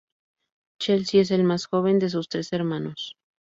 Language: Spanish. Chelsea es el más joven de sus tres hermanos.